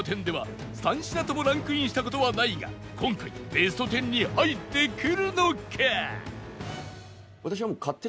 １０では３品ともランクインした事はないが今回ベスト１０に入ってくるのか？